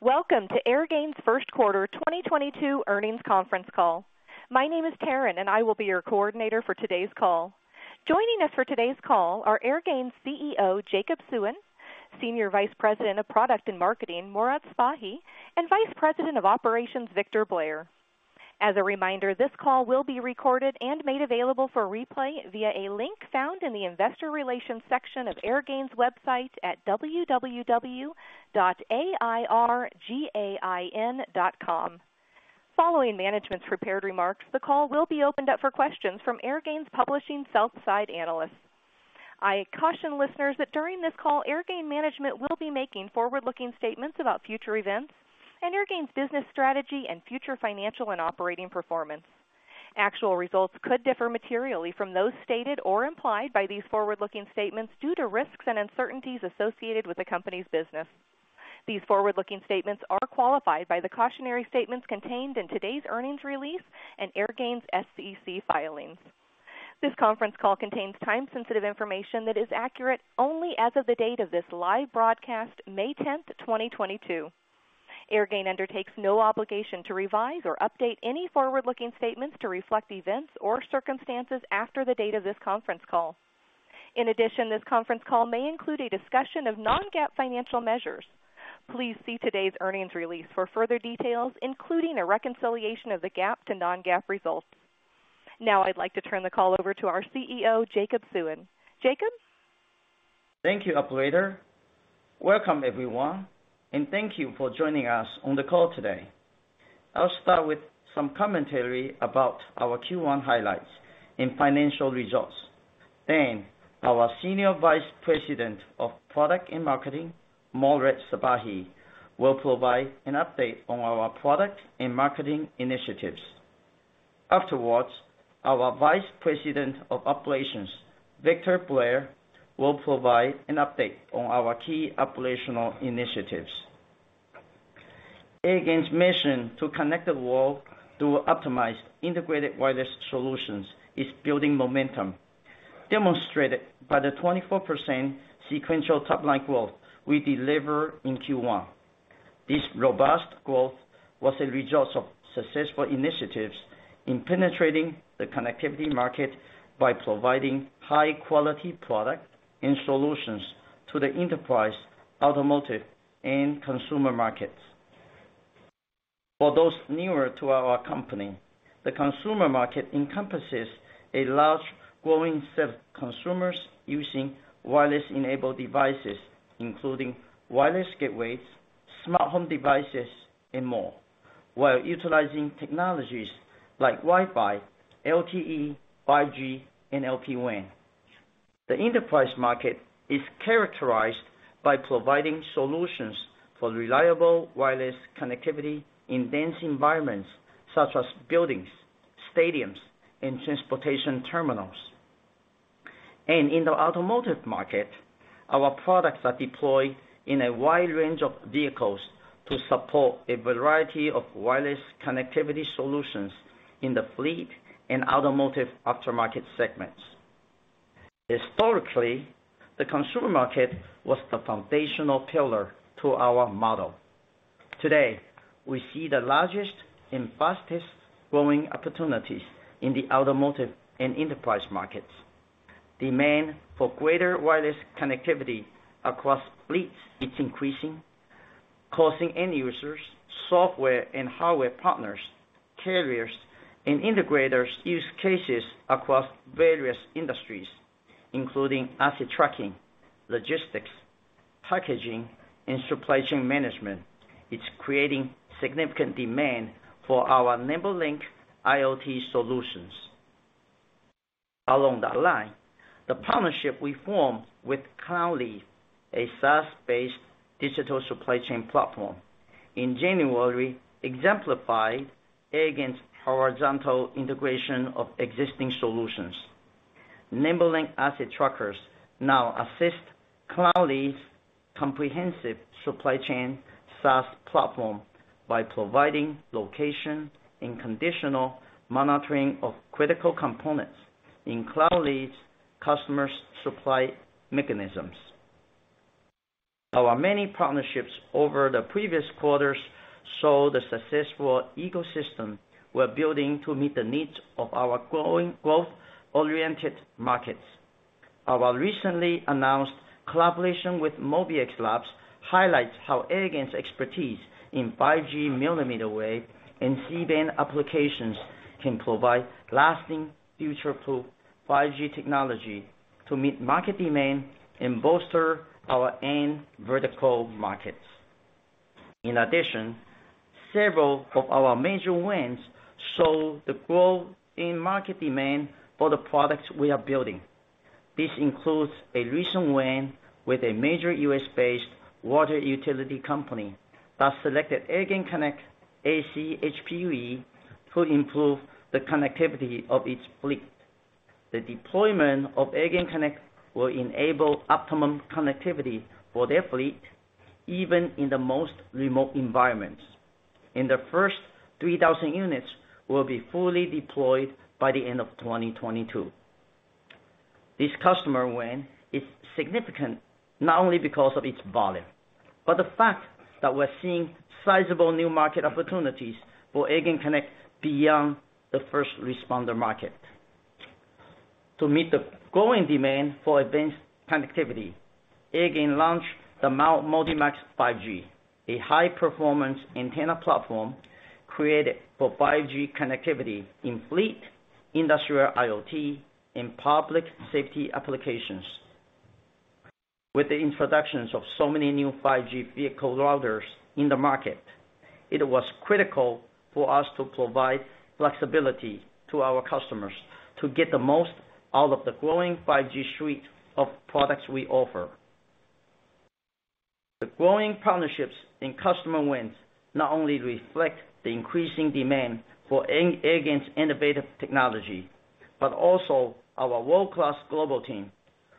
Welcome to Airgain's First Quarter 2022 Earnings Conference Call. My name is Taryn, and I will be your coordinator for today's call. Joining us for today's call are Airgain's CEO, Jacob Suen; Senior Vice President of Product and Marketing, Morad Sbahi; and Vice President of Operations, Victor Blair. As a reminder, this call will be recorded and made available for replay via a link found in the investor relations section of Airgain's website at www.airgain.com. Following management's prepared remarks, the call will be opened up for questions from Airgain's participating sell-side analysts. I caution listeners that during this call, Airgain management will be making forward-looking statements about future events and Airgain's business strategy and future financial and operating performance. Actual results could differ materially from those stated or implied by these forward-looking statements due to risks and uncertainties associated with the company's business. These forward-looking statements are qualified by the cautionary statements contained in today's earnings release and Airgain's SEC filings. This conference call contains time-sensitive information that is accurate only as of the date of this live broadcast, May 10, 2022. Airgain undertakes no obligation to revise or update any forward-looking statements to reflect events or circumstances after the date of this conference call. In addition, this conference call may include a discussion of non-GAAP financial measures. Please see today's earnings release for further details, including a reconciliation of the GAAP to non-GAAP results. Now I'd like to turn the call over to our CEO, Jacob Suen. Jacob? Thank you, operator. Welcome, everyone, and thank you for joining us on the call today. I'll start with some commentary about our Q1 highlights and financial results. Then our Senior Vice President of Product and Marketing, Morad Sbahi, will provide an update on our product and marketing initiatives. Afterwards, our Vice President of Operations, Victor Blair, will provide an update on our key operational initiatives. Airgain's mission to connect the world through optimized integrated wireless solutions is building momentum, demonstrated by the 24% sequential top-line growth we delivered in Q1. This robust growth was a result of successful initiatives in penetrating the connectivity market by providing high-quality product and solutions to the enterprise, automotive, and consumer markets. For those newer to our company, the consumer market encompasses a large growing set of consumers using wireless-enabled devices, including wireless gateways, smart home devices, and more, while utilizing technologies like Wi-Fi, LTE, 5G, and LPWAN. The enterprise market is characterized by providing solutions for reliable wireless connectivity in dense environments, such as buildings, stadiums, and transportation terminals. In the automotive market, our products are deployed in a wide range of vehicles to support a variety of wireless connectivity solutions in the fleet and automotive aftermarket segments. Historically, the consumer market was the foundational pillar to our model. Today, we see the largest and fastest-growing opportunities in the automotive and enterprise markets. Demand for greater wireless connectivity across fleets is increasing, causing end users, software and hardware partners, carriers, and integrators use cases across various industries, including asset tracking, logistics, packaging, and supply chain management. It's creating significant demand for our NimbeLink IoT solutions. Along that line, the partnership we formed with Cloudleaf, a SaaS-based digital supply chain platform in January exemplified Airgain's horizontal integration of existing solutions. NimbeLink asset trackers now assist Cloudleaf's comprehensive supply chain SaaS platform by providing location and conditional monitoring of critical components in Cloudleaf's customers' supply mechanisms. Our many partnerships over the previous quarters show the successful ecosystem we're building to meet the needs of our growing growth-oriented markets. Our recently announced collaboration with Mobix Labs highlights how Airgain's expertise in 5G millimeter wave and C-band applications can provide lasting future-proof 5G technology to meet market demand and bolster our end vertical markets. In addition, several of our major wins show the growth in market demand for the products we are building. This includes a recent win with a major U.S.-based water utility company that selected AirgainConnect AC-HPUE to improve the connectivity of its fleet. The deployment of AirgainConnect will enable optimum connectivity for their fleet, even in the most remote environments. The first 3,000 units will be fully deployed by the end of 2022. This customer win is significant, not only because of its volume, but the fact that we're seeing sizable new market opportunities for AirgainConnect beyond the first responder market. To meet the growing demand for advanced connectivity, Airgain launched the MULTIMAX 5G, a high-performance antenna platform created for 5G connectivity in fleet, industrial IoT, and public safety applications. With the introductions of so many new 5G vehicle routers in the market, it was critical for us to provide flexibility to our customers to get the most out of the growing 5G suite of products we offer. The growing partnerships and customer wins not only reflect the increasing demand for Airgain's innovative technology, but also our world-class global team,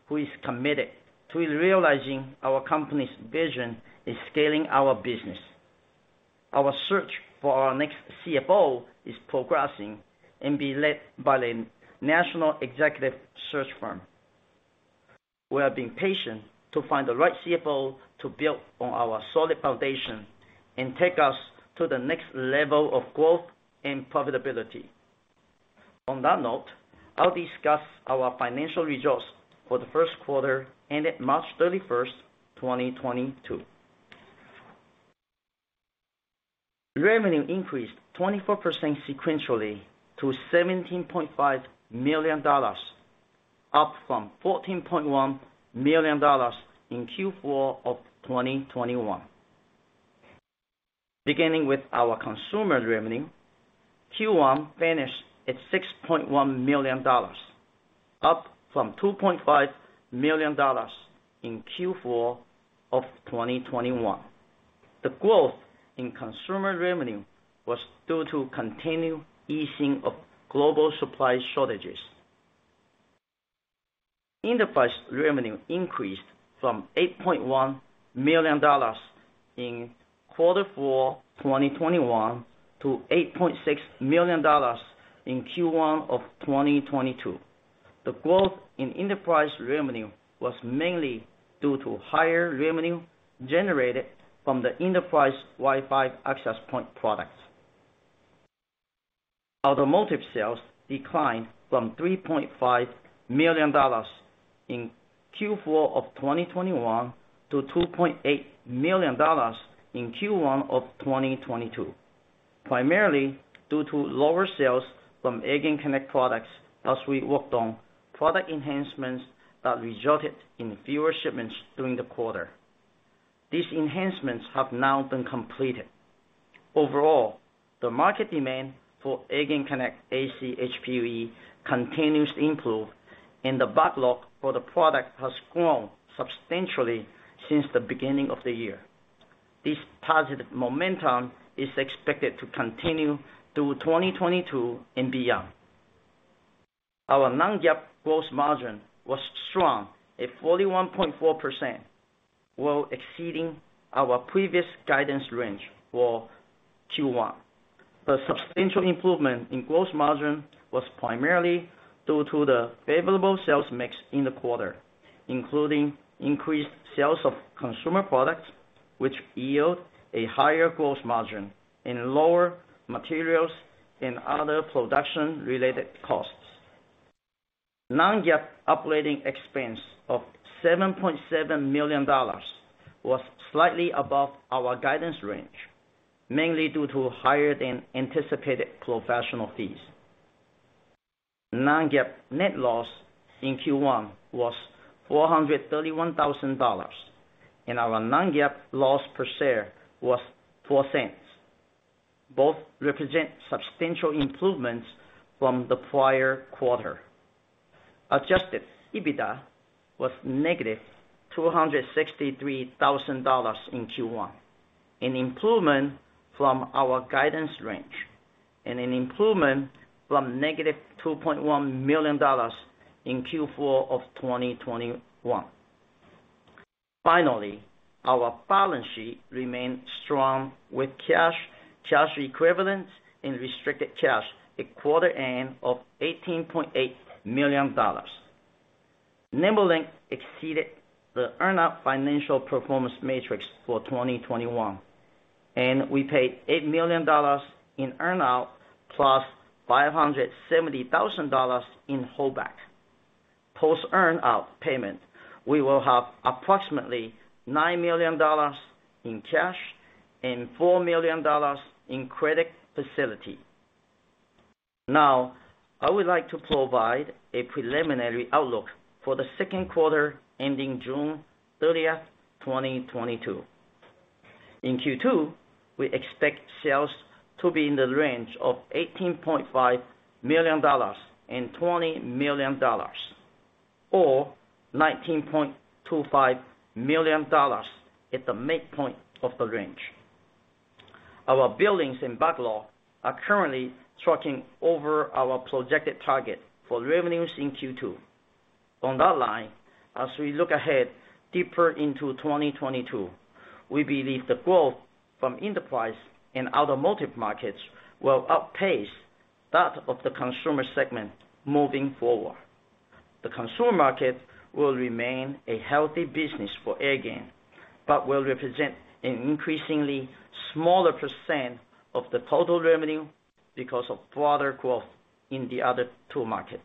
who is committed to realizing our company's vision in scaling our business. Our search for our next CFO is progressing and being led by the national executive search firm. We are being patient to find the right CFO to build on our solid foundation and take us to the next level of growth and profitability. On that note, I'll discuss our financial results for the first quarter ended March 31, 2022. Revenue increased 24% sequentially to $17.5 million, up from $14.1 million in Q4 of 2021. Beginning with our consumer revenue, Q1 finished at $6.1 million, up from $2.5 million in Q4 of 2021. The growth in consumer revenue was due to continued easing of global supply shortages. Enterprise revenue increased from $8.1 million in quarter four, 2021 to $8.6 million in Q1 of 2022. The growth in enterprise revenue was mainly due to higher revenue generated from the enterprise Wi-Fi access point products. Automotive sales declined from $3.5 million in Q4 of 2021 to $2.8 million in Q1 of 2022, primarily due to lower sales from AirgainConnect products as we worked on product enhancements that resulted in fewer shipments during the quarter. These enhancements have now been completed. Overall, the market demand for AirgainConnect AC-HPUE continues to improve, and the backlog for the product has grown substantially since the beginning of the year. This positive momentum is expected to continue through 2022 and beyond. Our non-GAAP gross margin was strong, at 41.4%, while exceeding our previous guidance range for Q1. The substantial improvement in gross margin was primarily due to the favorable sales mix in the quarter, including increased sales of consumer products, which yield a higher gross margin and lower materials and other production-related costs. Non-GAAP operating expense of $7.7 million was slightly above our guidance range, mainly due to higher than anticipated professional fees. Non-GAAP net loss in Q1 was $431,000, and our non-GAAP loss per share was $0.04. Both represent substantial improvements from the prior quarter. Adjusted EBITDA was -$263,000 in Q1, an improvement from our guidance range and an improvement from -$2.1 million in Q4 of 2021. Finally, our balance sheet remained strong with cash equivalents and restricted cash at quarter end of $18.8 million. NimbeLink exceeded the earn-out financial performance metrics for 2021, and we paid $8 million in earn-out, plus $570,000 in holdback. Post earn-out payment, we will have approximately $9 million in cash and $4 million in credit facility. Now, I would like to provide a preliminary outlook for the second quarter ending June 30, 2022. In Q2, we expect sales to be in the range of $18.5 million-$20 million, or $19.25 million at the midpoint of the range. Our billings and backlog are currently tracking over our projected target for revenues in Q2. On that line. As we look ahead deeper into 2022, we believe the growth from enterprise and automotive markets will outpace that of the consumer segment moving forward. The consumer market will remain a healthy business for Airgain, but will represent an increasingly smaller percent of the total revenue because of broader growth in the other two markets.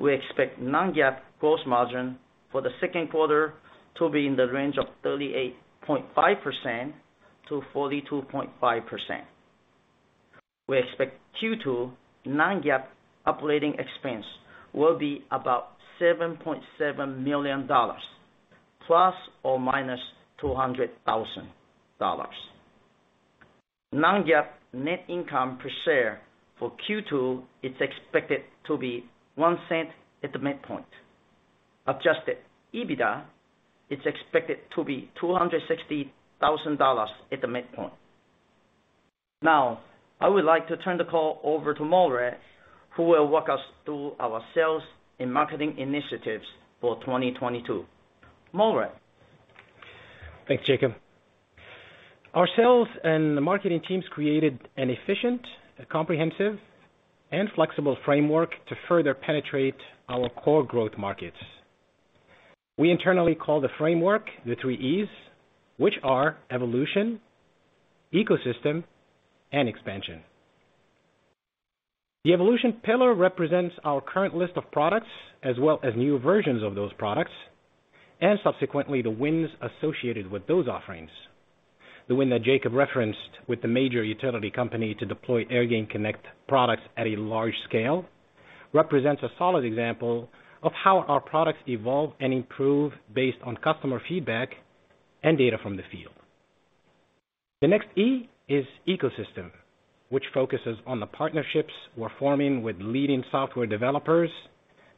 We expect non-GAAP gross margin for the second quarter to be in the range of 38.5% to 42.5%. We expect Q2 non-GAAP operating expense will be about $7.7 million ±$200,000. Non-GAAP net income per share for Q2 is expected to be $0.01 at the midpoint. Adjusted EBITDA is expected to be $260,000 at the midpoint. Now I would like to turn the call over to Morad, who will walk us through our sales and marketing initiatives for 2022. Morad. Thanks, Jacob. Our sales and the marketing teams created an efficient, comprehensive, and flexible framework to further penetrate our core growth markets. We internally call the framework The Three E's, which are evolution, ecosystem, and expansion. The evolution pillar represents our current list of products as well as new versions of those products, and subsequently, the wins associated with those offerings. The win that Jacob referenced with the major utility company to deploy AirgainConnect products at a large scale represents a solid example of how our products evolve and improve based on customer feedback and data from the field. The next E is ecosystem, which focuses on the partnerships we're forming with leading software developers,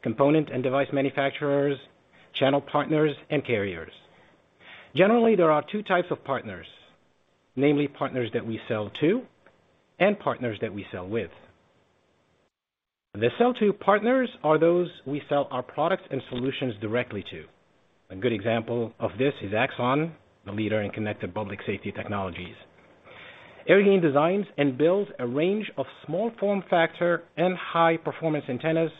component and device manufacturers, channel partners, and carriers. Generally, there are two types of partners, namely partners that we sell to and partners that we sell with. The sell to partners are those we sell our products and solutions directly to. A good example of this is Axon, the leader in connected public safety technologies. Airgain designs and builds a range of small form factor and high performance antennas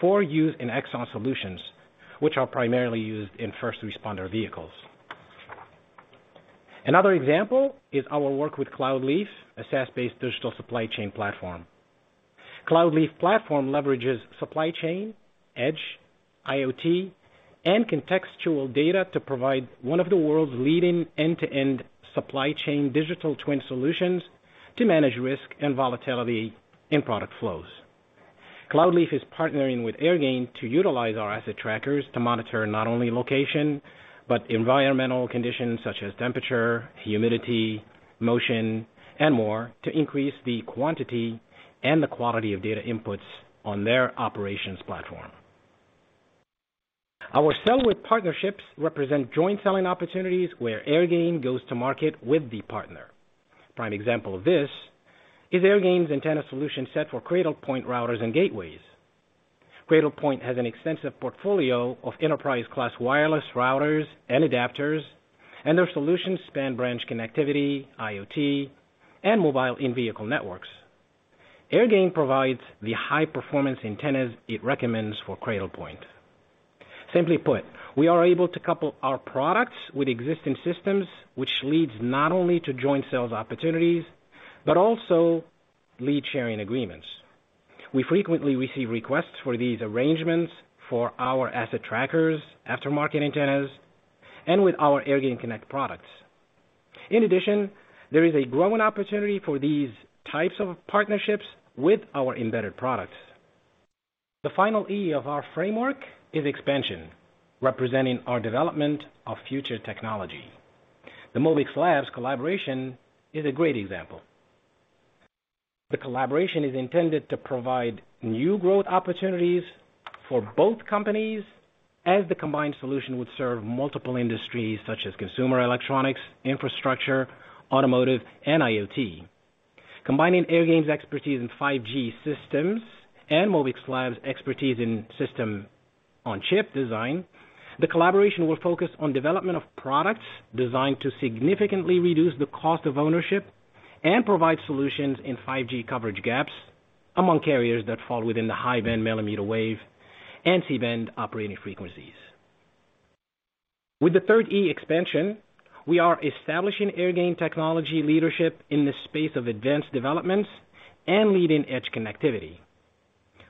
for use in Axon solutions, which are primarily used in first responder vehicles. Another example is our work with Cloudleaf, a SaaS-based digital supply chain platform. Cloudleaf platform leverages supply chain, edge, IoT, and contextual data to provide one of the world's leading end-to-end supply chain digital twin solutions to manage risk and volatility in product flows. Cloudleaf is partnering with Airgain to utilize our asset trackers to monitor not only location, but environmental conditions such as temperature, humidity, motion, and more to increase the quantity and the quality of data inputs on their operations platform. Our sales with partnerships represent joint selling opportunities where Airgain goes to market with the partner. Prime example of this is Airgain's antenna solution set for Cradlepoint routers and gateways. Cradlepoint has an extensive portfolio of enterprise-class wireless routers and adapters, and their solutions span branch connectivity, IoT, and mobile in-vehicle networks. Airgain provides the high performance antennas it recommends for Cradlepoint. Simply put, we are able to couple our products with existing systems, which leads not only to joint sales opportunities, but also lead sharing agreements. We frequently receive requests for these arrangements for our asset trackers, aftermarket antennas, and with our AirgainConnect products. In addition, there is a growing opportunity for these types of partnerships with our embedded products. The final E of our framework is expansion, representing our development of future technology. The Mobix Labs collaboration is a great example. The collaboration is intended to provide new growth opportunities for both companies as the combined solution would serve multiple industries such as consumer electronics, infrastructure, automotive, and IoT. Combining Airgain's expertise in 5G systems and Mobix Labs' expertise in system on chip design, the collaboration will focus on development of products designed to significantly reduce the cost of ownership and provide solutions in 5G coverage gaps among carriers that fall within the high-band millimeter wave and C-band operating frequencies. With the third E, expansion, we are establishing Airgain technology leadership in the space of advanced developments and leading-edge connectivity.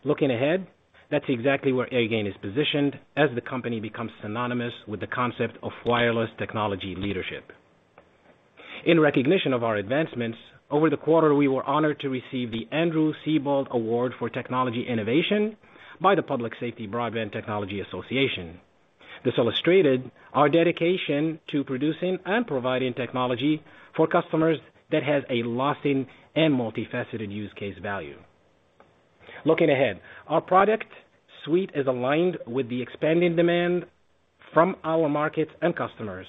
Looking ahead, that's exactly where Airgain is positioned as the company becomes synonymous with the concept of wireless technology leadership. In recognition of our advancements, over the quarter, we were honored to receive the Andrew Seybold Award for Technology Innovation by the Public Safety Broadband Technology Association. This illustrated our dedication to producing and providing technology for customers that has a lasting and multifaceted use case value. Looking ahead, our product suite is aligned with the expanding demand from our markets and customers.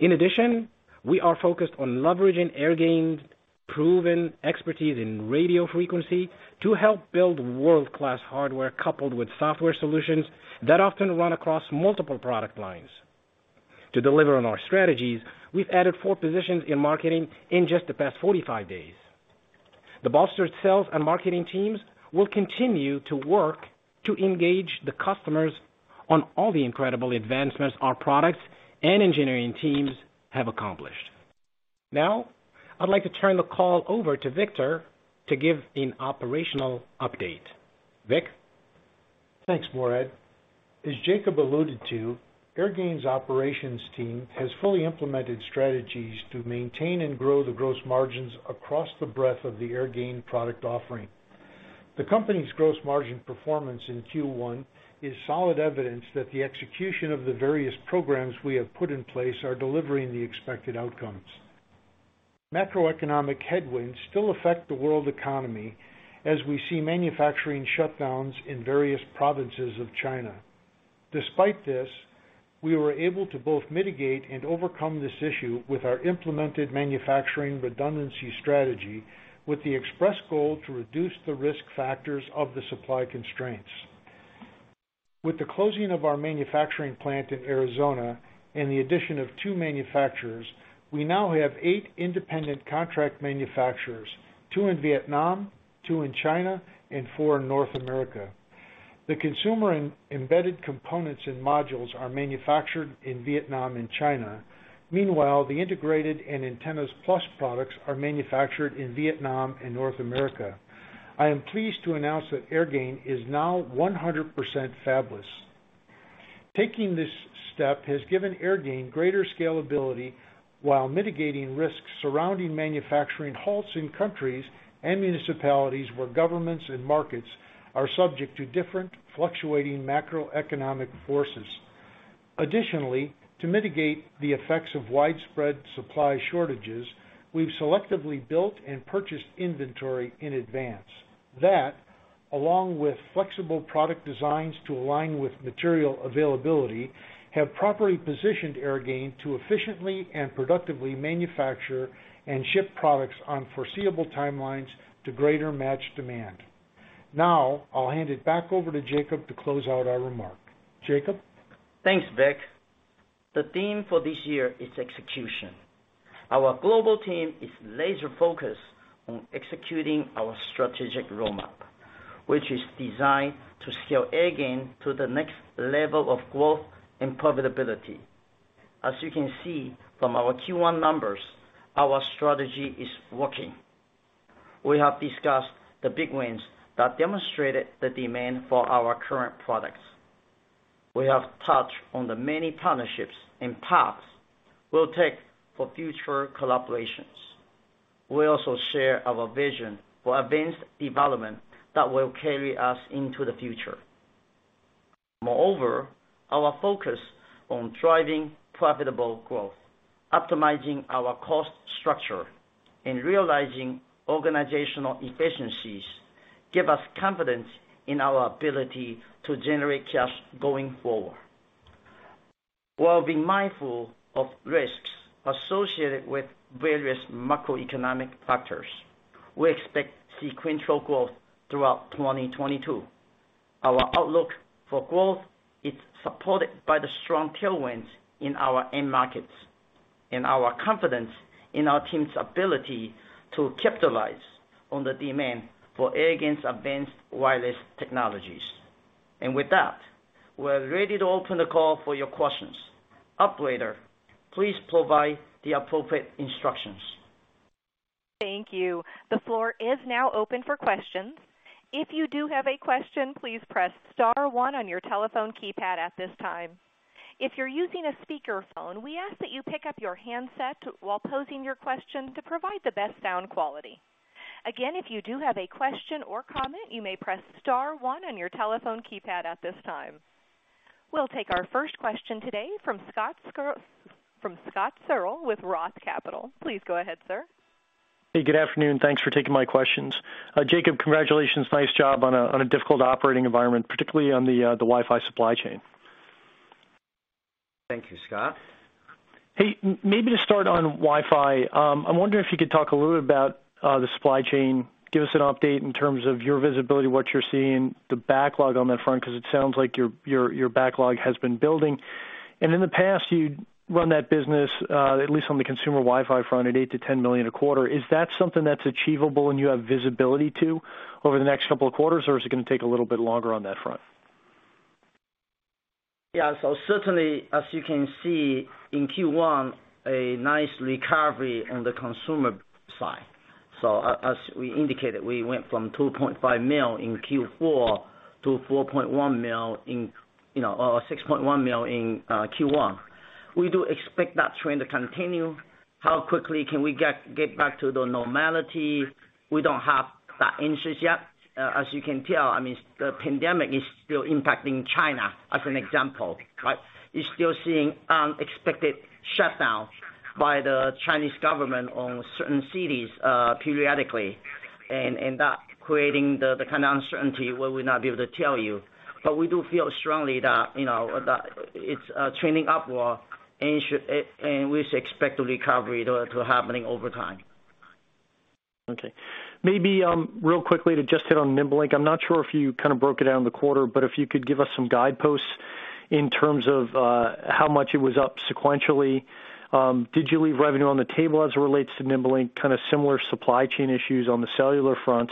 In addition, we are focused on leveraging Airgain's proven expertise in radio frequency to help build world-class hardware coupled with software solutions that often run across multiple product lines. To deliver on our strategies, we've added four positions in marketing in just the past 45 days. The bolstered sales and marketing teams will continue to work to engage the customers on all the incredible advancements our products and engineering teams have accomplished. Now, I'd like to turn the call over to Victor to give an operational update. Vic? Thanks, Morad. As Jacob alluded to, Airgain's operations team has fully implemented strategies to maintain and grow the gross margins across the breadth of the Airgain product offering. The company's gross margin performance in Q1 is solid evidence that the execution of the various programs we have put in place are delivering the expected outcomes. Macroeconomic headwinds still affect the world economy as we see manufacturing shutdowns in various provinces of China. Despite this, we were able to both mitigate and overcome this issue with our implemented manufacturing redundancy strategy with the express goal to reduce the risk factors of the supply constraints. With the closing of our manufacturing plant in Arizona and the addition of two manufacturers, we now have eight independent contract manufacturers, two in Vietnam, two in China, and four in North America. The consumer and embedded components and modules are manufactured in Vietnam and China. Meanwhile, the integrated and antennas plus products are manufactured in Vietnam and North America. I am pleased to announce that Airgain is now 100% fabless. Taking this step has given Airgain greater scalability while mitigating risks surrounding manufacturing halts in countries and municipalities where governments and markets are subject to different fluctuating macroeconomic forces. Additionally, to mitigate the effects of widespread supply shortages, we've selectively built and purchased inventory in advance. That, along with flexible product designs to align with material availability, have properly positioned Airgain to efficiently and productively manufacture and ship products on foreseeable timelines to greater match demand. Now, I'll hand it back over to Jacob to close out our remark. Jacob? Thanks, Vic. The theme for this year is execution. Our global team is laser-focused on executing our strategic roadmap, which is designed to scale Airgain to the next level of growth and profitability. As you can see from our Q1 numbers, our strategy is working. We have discussed the big wins that demonstrated the demand for our current products. We have touched on the many partnerships and paths we'll take for future collaborations. We also share our vision for advanced development that will carry us into the future. Moreover, our focus on driving profitable growth, optimizing our cost structure, and realizing organizational efficiencies give us confidence in our ability to generate cash going forward. While being mindful of risks associated with various macroeconomic factors, we expect sequential growth throughout 2022. Our outlook for growth is supported by the strong tailwinds in our end markets and our confidence in our team's ability to capitalize on the demand for Airgain's advanced wireless technologies. With that, we're ready to open the call for your questions. Operator, please provide the appropriate instructions. Thank you. The floor is now open for questions. If you do have a question, please press star one on your telephone keypad at this time. If you're using a speakerphone, we ask that you pick up your handset while posing your question to provide the best sound quality. Again, if you do have a question or comment, you may press star one on your telephone keypad at this time. We'll take our first question today from Scott Searle with Roth Capital. Please go ahead, sir. Good afternoon. Thanks for taking my questions. Jacob, congratulations. Nice job on a difficult operating environment, particularly on the Wi-Fi supply chain. Thank you, Scott. Maybe to start on Wi-Fi, I'm wondering if you could talk a little bit about the supply chain. Give us an update in terms of your visibility, what you're seeing, the backlog on that front, 'cause it sounds like your backlog has been building. In the past, you'd run that business, at least on the consumer Wi-Fi front, at $8 million-$10 million a quarter. Is that something that's achievable and you have visibility to over the next couple of quarters, or is it gonna take a little bit longer on that front? Certainly, as you can see in Q1, a nice recovery on the consumer side. As we indicated, we went from $2.5 million in Q4 to $4.1 million in or $6.1 million in Q1. We do expect that trend to continue. How quickly can we get back to the normality? We don't have that answer yet. As you can tell, I mean, the pandemic is still impacting China, as an example, right? You're still seeing unexpected shutdowns by the Chinese government on certain cities, periodically. That creating the kind of uncertainty where we're not be able to tell you. We do feel strongly that that it's trending upward and we expect a recovery to happening over time. Okay. Maybe real quickly to just hit on NimbeLink. I'm not sure if you kind of broke it down in the quarter, but if you could give us some guideposts in terms of how much it was up sequentially. Did you leave revenue on the table as it relates to NimbeLink, kind of similar supply chain issues on the cellular front?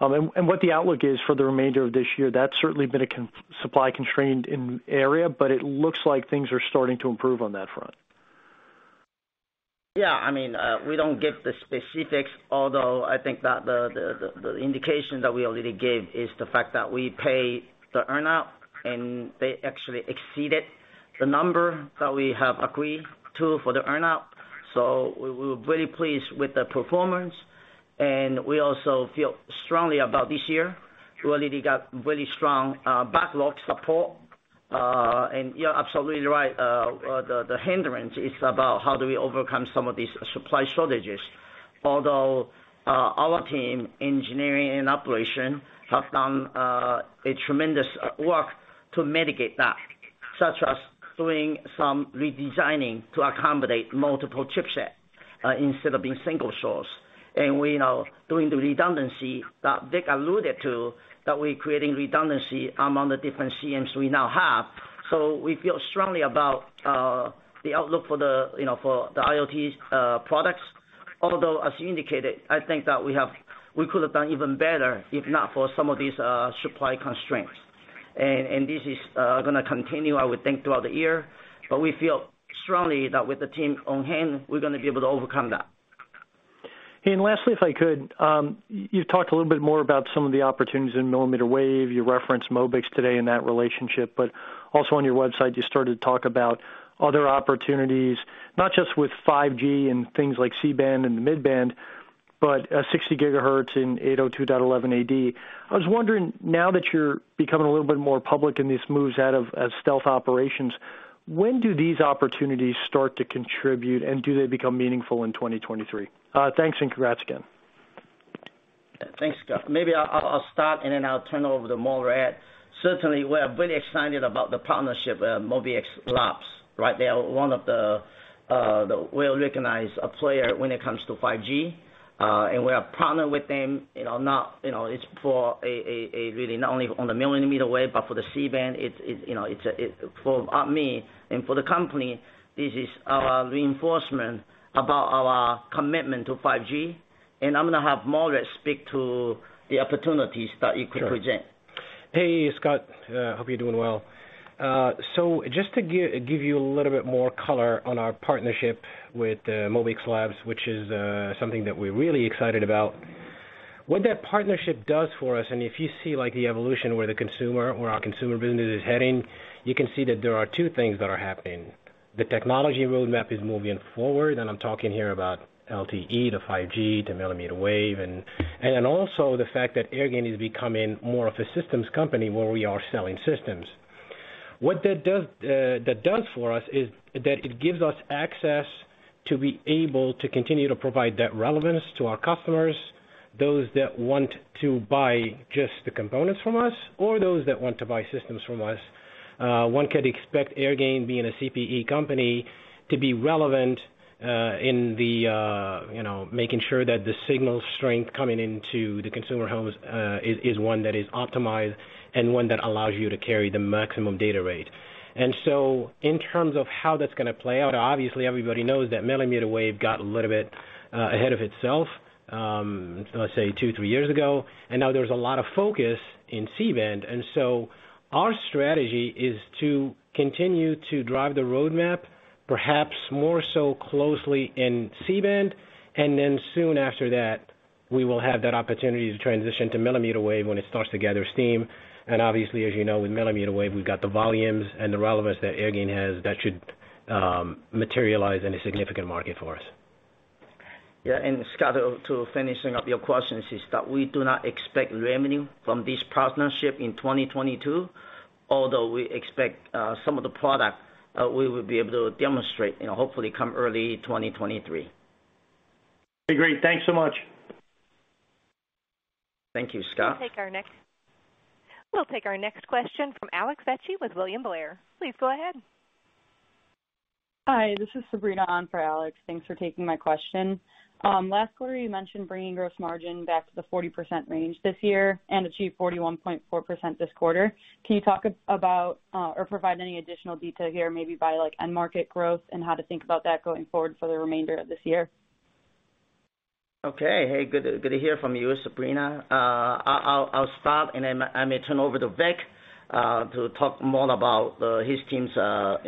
And what the outlook is for the remainder of this year. That's certainly been supply constrained in area, but it looks like things are starting to improve on that front. I mean, we don't give the specifics, although I think that the indication that we already gave is the fact that we pay the earn-out and they actually exceeded the number that we have agreed to for the earn-out. We were very pleased with the performance, and we also feel strongly about this year. We already got really strong backlog support. You're absolutely right. The hindrance is about how do we overcome some of these supply shortages. Although our team, engineering and operation, have done a tremendous work to mitigate that, such as doing some redesigning to accommodate multiple chipset instead of being single source. We now doing the redundancy that Vic alluded to, that we're creating redundancy among the different CMs we now have. We feel strongly about the outlook for the, you know, for the IoT products. Although, as you indicated, I think that we could have done even better if not for some of these supply constraints. This is gonna continue, I would think, throughout the year. We feel strongly that with the team on hand, we're gonna be able to overcome that. Lastly, if I could, you've talked a little bit more about some of the opportunities in millimeter wave. You referenced Mobix today in that relationship. But also on your website, you started to talk about other opportunities, not just with 5G and things like C-band and the mid-band, but, 60 GHz and 802.11ad. I was wondering, now that you're becoming a little bit more public in these moves out of stealth operations, when do these opportunities start to contribute, and do they become meaningful in 2023? Thanks, and congrats again. Thanks, Scott. Maybe I'll start, and then I'll turn it over to Morad. Certainly, we're very excited about the partnership with Mobix Labs, right? They are one of the well-recognized player when it comes to 5G. We are partnered with them, you know, not only on the millimeter wave, but for the C-band. For me and for the company, this is our reinforcement about our commitment to 5G, and I'm gonna have Morad speak to the opportunities that it could present. Sure. Scott. Hope you're doing well. So just to give you a little bit more color on our partnership with Mobix Labs, which is something that we're really excited about. What that partnership does for us, and if you see like the evolution where the consumer or our consumer business is heading, you can see that there are two things that are happening. The technology roadmap is moving forward, and I'm talking here about LTE, the 5G, the millimeter wave, and then also the fact that Airgain is becoming more of a systems company where we are selling systems. What that does for us is that it gives us access to be able to continue to provide that relevance to our customers, those that want to buy just the components from us or those that want to buy systems from us. One could expect Airgain being a CPE company to be relevant in the you know making sure that the signal strength coming into the consumer homes is one that is optimized and one that allows you to carry the maximum data rate. In terms of how that's gonna play out, obviously everybody knows that millimeter wave got a little bit ahead of itself, let's say two, three years ago, and now there's a lot of focus in C-band. Our strategy is to continue to drive the roadmap, perhaps more so closely in C-band, and then soon after that, we will have that opportunity to transition to millimeter wave when it starts to gather steam. Obviously, as you know, with millimeter wave, we've got the volumes and the relevance that Airgain has that should materialize in a significant market for us. Scott, to finishing up your questions is that we do not expect revenue from this partnership in 2022, although we expect some of the product we will be able to demonstrate, you know, hopefully come early 2023. Okay, great. Thanks so much. Thank you, Scott. We'll take our next question from Alex Vecchi with William Blair. Please go ahead. Hi, this is Sabrina on for Alex. Thanks for taking my question. Last quarter, you mentioned bringing gross margin back to the 40% range this year and achieved 41.4% this quarter. Can you talk about or provide any additional detail here maybe by like end market growth and how to think about that going forward for the remainder of this year? Okay. Good to hear from you, Sabrina. I'll start and then I may turn over to Vic to talk more about his team's work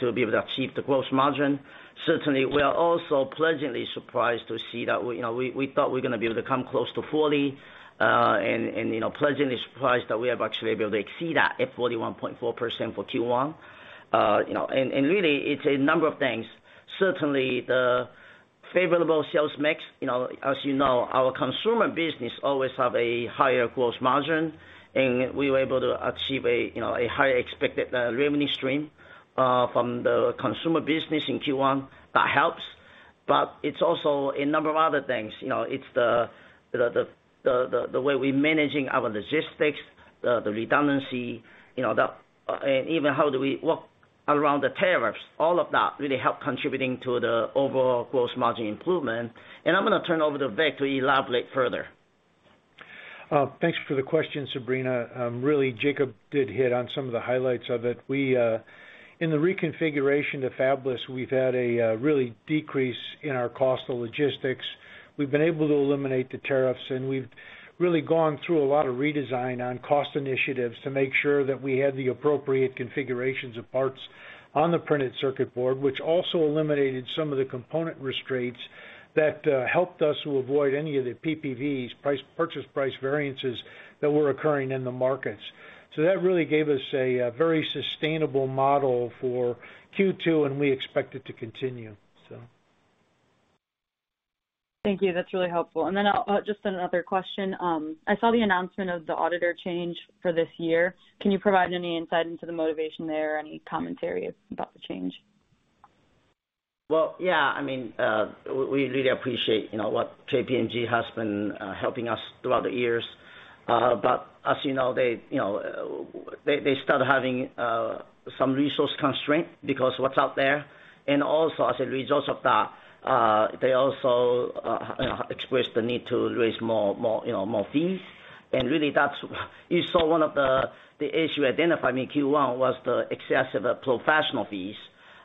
to be able to achieve the gross margin. Certainly, we are also pleasantly surprised to see that, you know, we thought we're gonna be able to come close to 40, and, you know, pleasantly surprised that we have actually able to exceed that at 41.4% for Q1. You know, really it's a number of things. Certainly, favorable sales mix. You know, as you know, our consumer business always have a higher gross margin, and we were able to achieve a, you know, a higher expected revenue stream from the consumer business in Q1. That helps, but it's also a number of other things. You know, it's the way we managing our logistics, the redundancy, you know, and even how do we work around the tariffs. All of that really help contributing to the overall gross margin improvement. I'm gonna turn over to Vic to elaborate further. Thanks for the question, Sabrina. Really, Jacob did hit on some of the highlights of it. In the reconfiguration to fabless, we've had a really decrease in our cost of logistics. We've been able to eliminate the tariffs, and we've really gone through a lot of redesign on cost initiatives to make sure that we had the appropriate configurations of parts on the printed circuit board, which also eliminated some of the component restraints that helped us to avoid any of the PPVs, purchase price variances that were occurring in the markets. That really gave us a very sustainable model for Q2, and we expect it to continue. Thank you. That's really helpful. Then I'll just another question. I saw the announcement of the auditor change for this year. Can you provide any insight into the motivation there? Any commentary about the change? Well, I mean, we really appreciate, you know, what KPMG has been helping us throughout the years. As you know, they, you know, they start having some resource constraint because what's out there, and also as a result of that, they also, you know, expressed the need to raise more fees. Really that's what you saw one of the issue identified in Q1 was the excessive professional fees.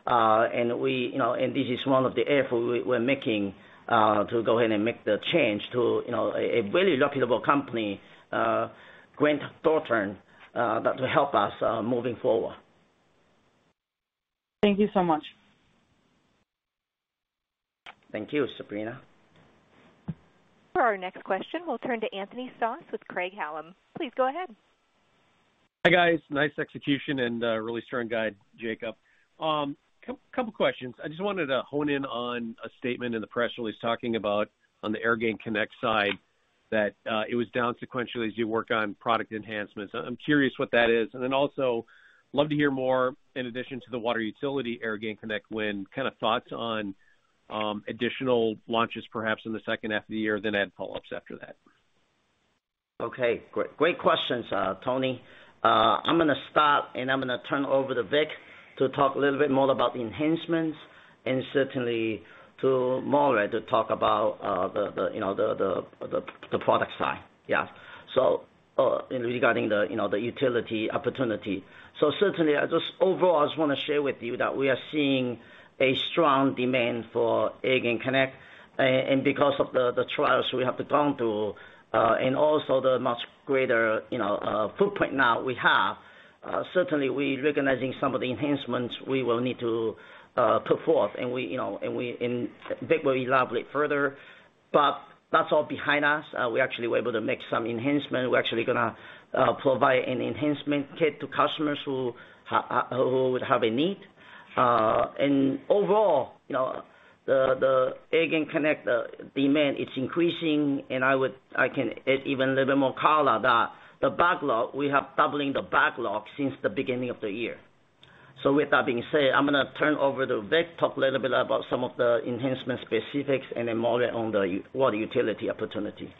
We, you know, this is one of the effort we're making to go ahead and make the change to, you know, a very reputable company, Grant Thornton, that will help us moving forward. Thank you so much. Thank you, Sabrina. For our next question, we'll turn to Anthony Stoss with Craig-Hallum. Please go ahead. Hi, guys. Nice execution and really strong guide, Jacob. Couple questions. I just wanted to hone in on a statement in the press release talking about on the AirgainConnect side that it was down sequentially as you work on product enhancements. I'm curious what that is. Then also love to hear more in addition to the water utility AirgainConnect win kind of thoughts on additional launches perhaps in the second half of the year, then add follow-ups after that. Okay. Great questions, Tony. I'm going to stop and turn over to Vic to talk a little bit more about the enhancements and certainly to Morad to talk about the product side. Regarding the utility opportunity. Certainly, overall, I want to share with you that we are seeing a strong demand for AirgainConnect. And because of the trials we have gone through and also the much greater footprint now we have, certainly we recognizing some of the enhancements we will need to put forth. We, and Vic will elaborate further, but that's all behind us. We actually were able to make some enhancement. We're actually gonna provide an enhancement kit to customers who would have a need. Overall, you know, the AirgainConnect, the demand is increasing, and I can add even a little more color that the backlog, we have doubling the backlog since the beginning of the year. With that being said, I'm gonna turn over to Vic, talk a little bit about some of the enhancement specifics and then Morad on the water utility opportunity.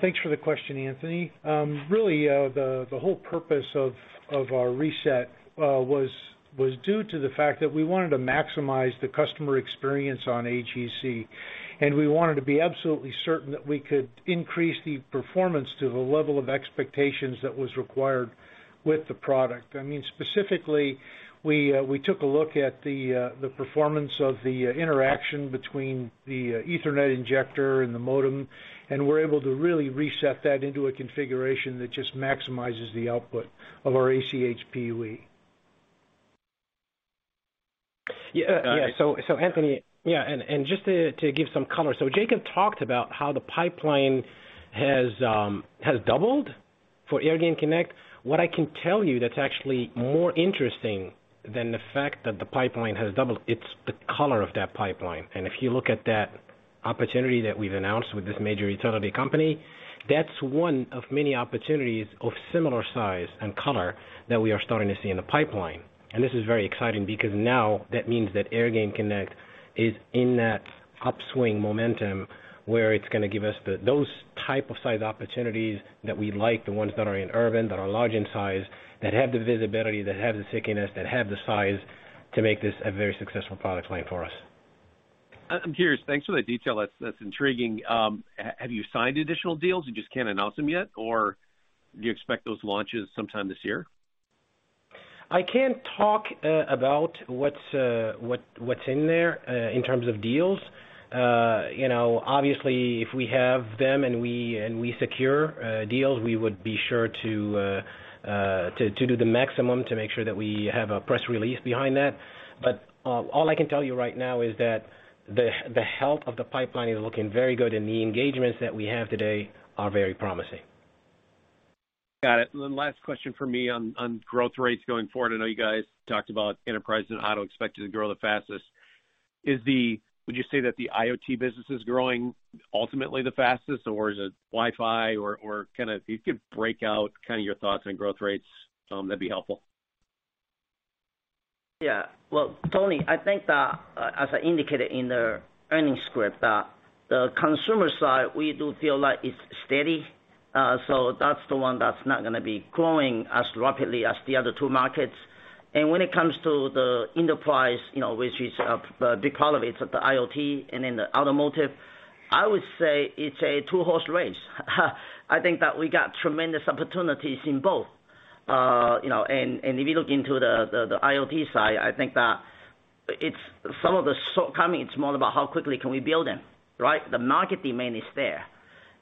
Thanks for the question, Anthony. Really, the whole purpose of our reset was due to the fact that we wanted to maximize the customer experience on AGC, and we wanted to be absolutely certain that we could increase the performance to the level of expectations that was required with the product. I mean, specifically, we took a look at the performance of the interaction between the Ethernet injector and the modem, and we're able to really reset that into a configuration that just maximizes the output of our AC-HPUE. Yeah. Anthony, and just to give some color. Jacob talked about how the pipeline has doubled for AirgainConnect. What I can tell you that's actually more interesting than the fact that the pipeline has doubled, it's the color of that pipeline. If you look at that opportunity that we've announced with this major utility company, that's one of many opportunities of similar size and color that we are starting to see in the pipeline. This is very exciting because now that means that AirgainConnect is in that upswing momentum where it's gonna give us those type of size opportunities that we like, the ones that are in urban, that are large in size, that have the visibility, that have the stickiness, that have the size to make this a very successful product line for us. I'm curious. Thanks for the detail. That's intriguing. Have you signed additional deals, you just can't announce them yet, or do you expect those launches sometime this year? I can't talk about what's in there in terms of deals. You know, obviously if we have them and we secure deals, we would be sure to do the maximum to make sure that we have a press release behind that. All I can tell you right now is that the health of the pipeline is looking very good, and the engagements that we have today are very promising. Got it. Last question for me on growth rates going forward. I know you guys talked about enterprise and auto expected to grow the fastest. Would you say that the IoT business is growing ultimately the fastest or is it Wi-Fi? Or if you could break out kind of your thoughts on growth rates, that'd be helpful. Well, Tony, I think that, as I indicated in the earnings script, that the consumer side, we do feel like it's steady. That's the one that's not gonna be growing as rapidly as the other two markets. When it comes to the enterprise, you know, which is a big part of it, the IoT and then the automotive, I would say it's a two-horse race. I think that we got tremendous opportunities in both. You know, and if you look into the IoT side, I think that it's some of the stuff coming, it's more about how quickly can we build them, right? The market demand is there.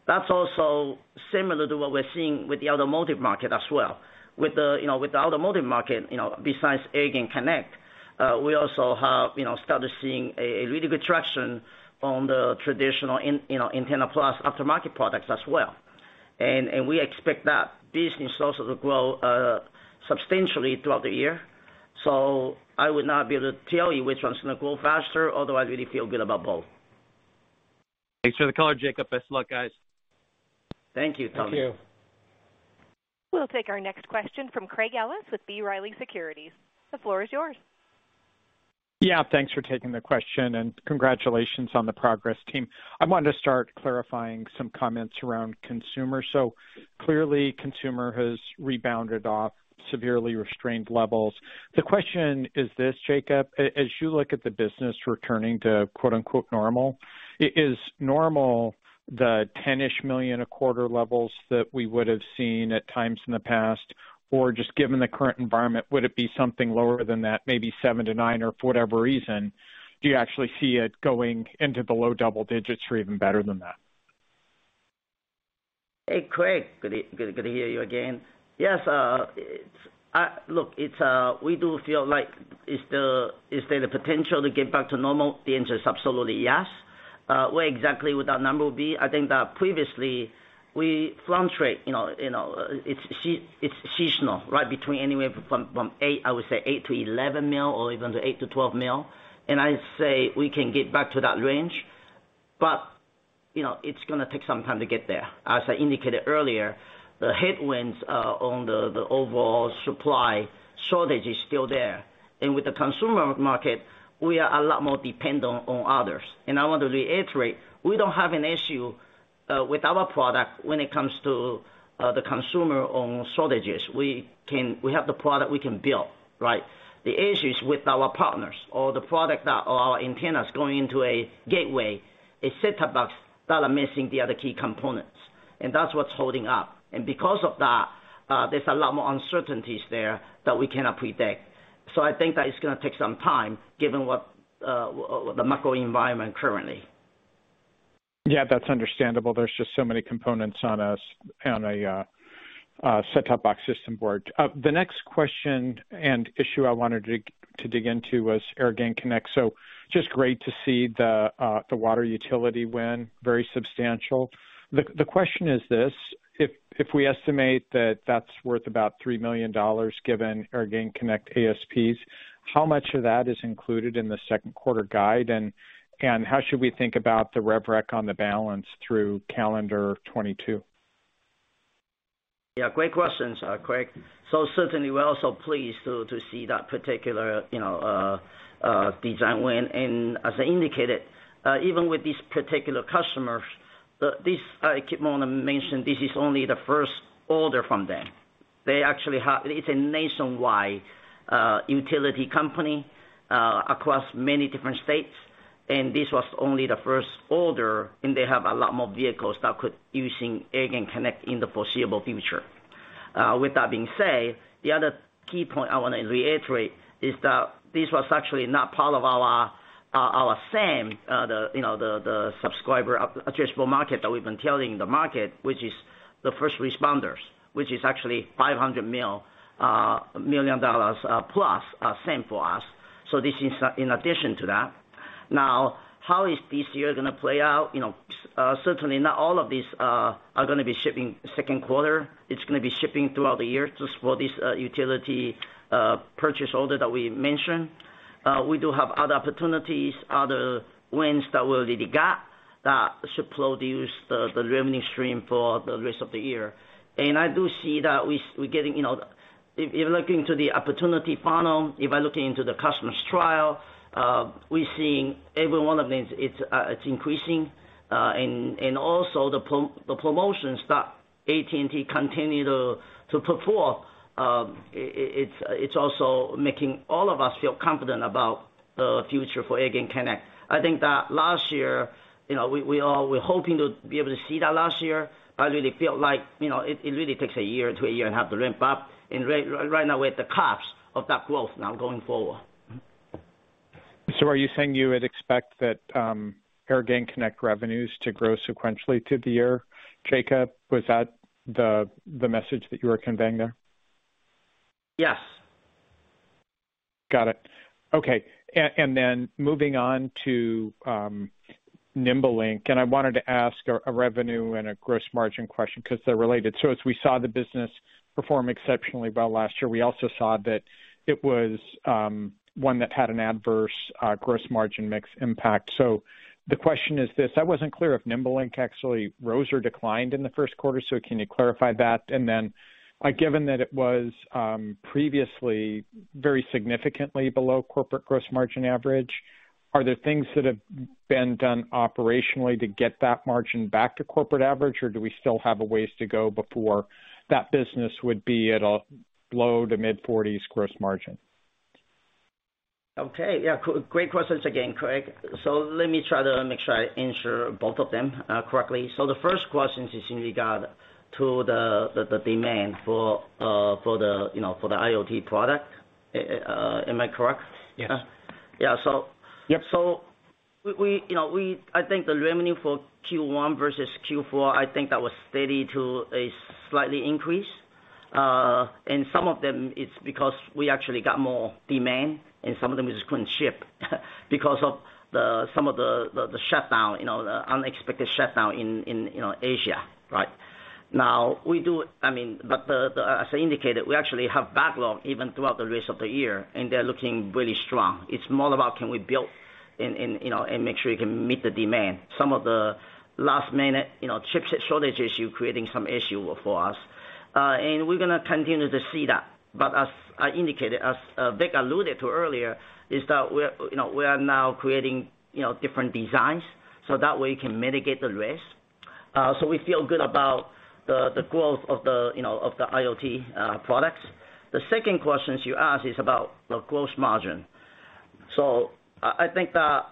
That's also similar to what we're seeing with the automotive market as well. With the automotive market, you know, besides AirgainConnect, we also have, you know, started seeing a really good traction on the traditional antenna plus aftermarket products as well. We expect that business also to grow substantially throughout the year. I would not be able to tell you which one's gonna grow faster, although I really feel good about both. Thanks for the color, Jacob. Best of luck, guys. Thank you, Tony. Thank you. We'll take our next question from Craig Ellis with B. Riley Securities. The floor is yours. Thanks for taking the question and congratulations on the progress, team. I wanted to start clarifying some comments around consumer. Clearly consumer has rebounded off severely restrained levels. The question is this, Jacob, as you look at the business returning to quote-unquote normal, is normal the $10-ish million a quarter levels that we would have seen at times in the past? Or just given the current environment, would it be something lower than that, maybe $7-$9 million or for whatever reason? Do you actually see it going into the low double digits or even better than that? Craig, good to hear you again. Yes, it's, I look, it's we do feel like, is there the potential to get back to normal? The answer is absolutely yes. Where exactly would that number be? I think that previously we fluctuate, you know, it's seasonal, right between anywhere from, I would say 8 to 11 mil or even to 8 to 12 mil. I say we can get back to that range, but, you know, it's gonna take some time to get there. As I indicated earlier, the headwinds on the overall supply shortage is still there. With the consumer market, we are a lot more dependent on others. I want to reiterate, we don't have an issue with our product when it comes to the component shortages. We have the product we can build, right? The issue is with our partners or the product that our antenna is going into a gateway, a set-top box that are missing the other key components, and that's what's holding up. Because of that, there's a lot more uncertainties there that we cannot predict. I think that it's gonna take some time given what the macro environment currently. Yeah, that's understandable. There's just so many components on a set-top box system board. The next question and issue I wanted to dig into was AirgainConnect. Just great to see the water utility win, very substantial. The question is this: If we estimate that that's worth about $3 million given AirgainConnect ASPs, how much of that is included in the second quarter guide? How should we think about the rev rec on the balance through calendar 2022? Great questions, Craig. Certainly we're also pleased to see that particular, you know, design win. As I indicated, even with this particular customer, this, I keep wanna mention, this is only the first order from them. It's a nationwide utility company across many different states, and this was only the first order, and they have a lot more vehicles that could using AirgainConnect in the foreseeable future. With that being said, the other key point I wanna reiterate is that this was actually not part of our SAM, you know, the subscriber addressable market that we've been telling the market, which is the first responders, which is actually $500 million plus SAM for us. This is in addition to that. Now, how is this year gonna play out? You know, certainly not all of these are gonna be shipping second quarter. It's gonna be shipping throughout the year just for this utility purchase order that we mentioned. We do have other opportunities, other wins that we already got that should produce the revenue stream for the rest of the year. I do see that we're getting, you know. If looking to the opportunity funnel, if I look into the customer's trial, we're seeing every one of these, it's increasing. And also the promotions that AT&T continue to perform, it's also making all of us feel confident about the future for AirgainConnect. I think that last year, you know, we all were hoping to be able to see that last year, but I really feel like, you know, it really takes a year to a year and a half to ramp up. Right now we're at the tops of that growth now going forward. Are you saying you would expect that, AirgainConnect revenues to grow sequentially through the year, Jacob? Was that the message that you were conveying there? Yes. Got it. Okay. Moving on to NimbeLink, I wanted to ask a revenue and a gross margin question because they're related. As we saw the business perform exceptionally well last year, we also saw that it was one that had an adverse gross margin mix impact. The question is this, I wasn't clear if NimbeLink actually rose or declined in the first quarter, so can you clarify that? Given that it was previously very significantly below corporate gross margin average, are there things that have been done operationally to get that margin back to corporate average, or do we still have a ways to go before that business would be at a low- to mid-40s% gross margin? Okay. Great questions again, Craig. Let me try to make sure I answer both of them correctly. The first question is in regard to the demand for, you know, the IoT product. Am I correct? Yes. I think the revenue for Q1 versus Q4 was steady to a slight increase. Some of that is because we actually got more demand and some of that we just couldn't ship because of the unexpected shutdown in Asia. Right? I mean, as I indicated, we actually have backlog even throughout the rest of the year, and they're looking really strong. It's more about can we build and, you know, make sure we can meet the demand. Some of the last-minute, you know, chipset shortage issue creating some issue for us. We're gonna continue to see that. As I indicated, Vic alluded to earlier, is that we are now creating, you know, different designs so that way we can mitigate the risk. So we feel good about the growth of the, you know, of the IoT products. The second questions you ask is about the gross margin. So I think that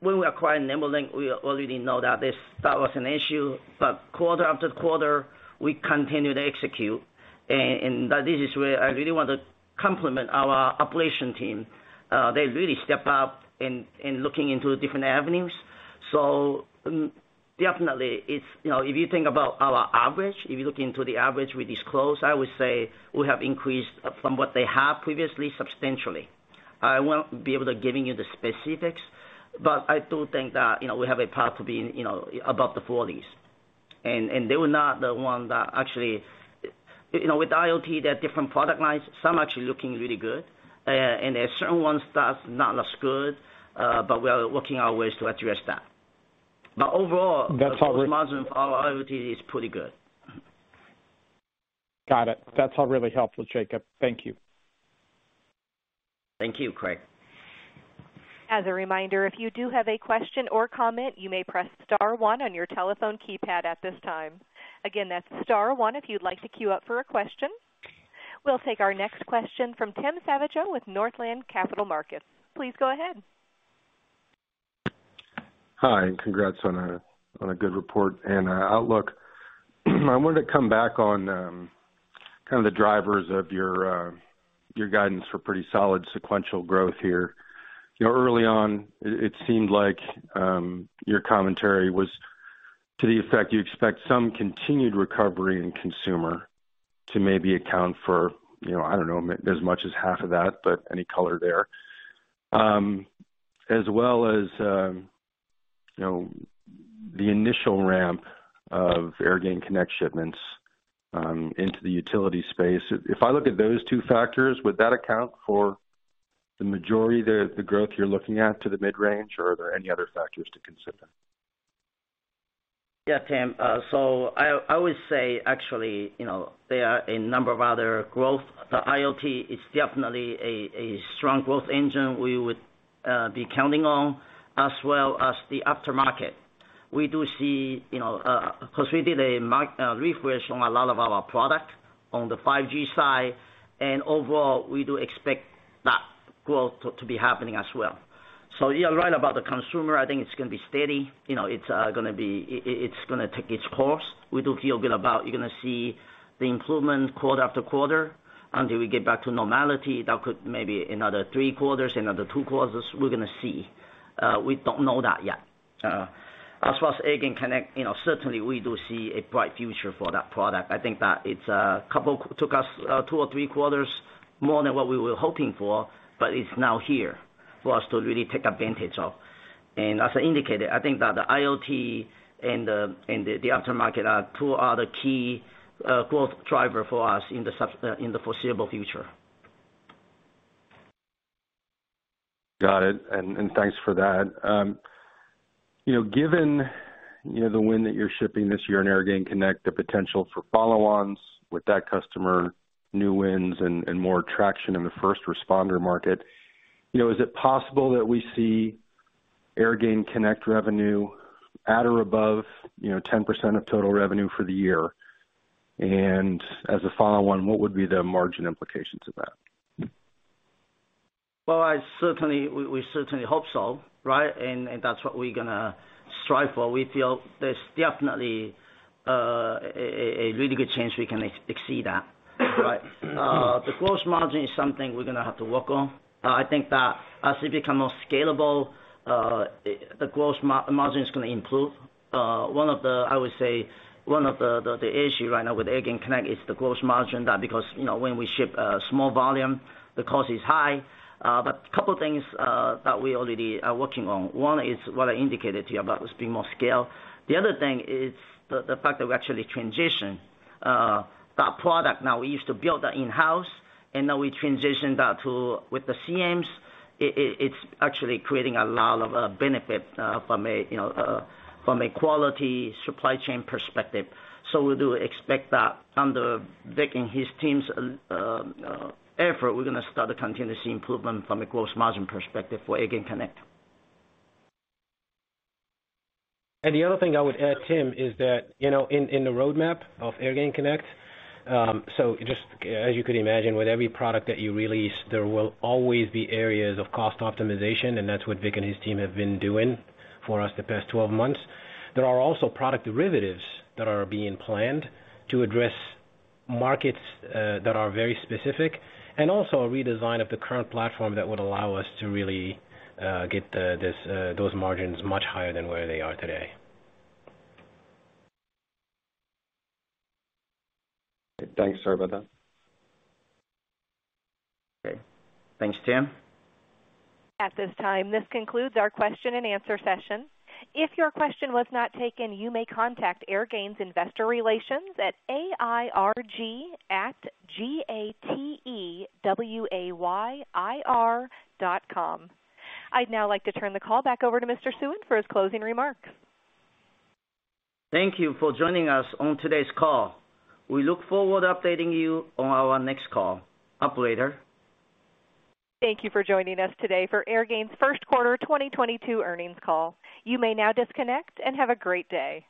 when we acquired NimbeLink, we already know that that was an issue, but quarter after quarter, we continued to execute. That this is where I really want to compliment our operation team. They really step up in looking into different avenues. So, definitely it's, you know, if you think about our average, if you look into the average we disclose, I would say we have increased from what they have previously substantially. I won't be able to give you the specifics, but I do think that, you know, we have a path to be, you know, above the 40s%. You know, with IoT, there are different product lines. Some actually looking really good, and there are certain ones that's not as good, but we are working our way to address that. Overall the gross margin for our IoT is pretty good. Got it. That's all really helpful, Jacob. Thank you. Thank you, Craig. As a reminder, if you do have a question or comment, you may press star one on your telephone keypad at this time. Again, that's star one if you'd like to queue up for a question. We'll take our next question from Tim Savageaux with Northland Capital Markets. Please go ahead. Hi, congrats on a good report and outlook. I wanted to come back on kind of the drivers of your guidance for pretty solid sequential growth here. You know, early on it seemed like your commentary was to the effect you expect some continued recovery in consumer to maybe account for, you know, I don't know, as much as half of that, but any color there. As well as, you know, the initial ramp of AirgainConnect shipments into the utility space. If I look at those two factors, would that account for the majority of the growth you're looking at to the mid-range or are there any other factors to consider? Tim. I would say actually, you know, there are a number of other growth. The IoT is definitely a strong growth engine we would be counting on, as well as the aftermarket. We do see, you know, 'cause we did a market refresh on a lot of our product on the 5G side, and overall, we do expect that growth to be happening as well. You're right about the consumer. I think it's gonna be steady. You know, it's gonna be. It's gonna take its course. We do feel good about you're gonna see the improvement quarter after quarter until we get back to normality. That could maybe another three quarters, another two quarters, we're gonna see. We don't know that yet. As far as AirgainConnect, you know, certainly we do see a bright future for that product. I think that it took us two or three quarters more than what we were hoping for, but it's now here for us to really take advantage of. As I indicated, I think that the IoT and the aftermarket are two other key growth driver for us in the foreseeable future. Got it. Thanks for that. You know, given, you know, the win that you're shipping this year in AirgainConnect, the potential for follow-ons with that customer, new wins and more traction in the first responder market, you know, is it possible that we see AirgainConnect revenue at or above, you know, 10% of total revenue for the year? As a follow-on, what would be the margin implications of that? I certainly hope so, right? That's what we're gonna strive for. We feel there's definitely a really good chance we can exceed that. Right. The gross margin is something we're gonna have to work on. I think that as we become more scalable, the gross margin is gonna improve. One of the issues right now with AirgainConnect is the gross margin that because, you know, when we ship a small volume, the cost is high. Couple things that we already are working on. One is what I indicated to you about us being more scalable. The other thing is the fact that we actually transition that product now. We used to build that in-house, and now we transition that to with the CMs. It's actually creating a lot of benefit from a, you know, from a quality supply chain perspective. We do expect that under Vic and his team's effort, we're gonna start to continue to see improvement from a gross margin perspective for AirgainConnect. The other thing I would add, Tim, is that, you know, in the roadmap of AirgainConnect, so just as you could imagine, with every product that you release, there will always be areas of cost optimization, and that's what Vic and his team have been doing for us the past 12 months. There are also product derivatives that are being planned to address markets that are very specific, and also a redesign of the current platform that would allow us to really get those margins much higher than where they are today. Thanks, Morad. Okay. Thanks, Tim. At this time, this concludes our question and answer session. If your question was not taken, you may contact Airgain's investor relations at airg@gatewayir.com. I'd now like to turn the call back over to Mr. Suen for his closing remarks. Thank you for joining us on today's call. We look forward to updating you on our next call. Operator? Thank you for joining us today for Airgain's first quarter 2022 earnings call. You may now disconnect and have a great day.